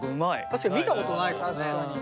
確かに見たことないかもね。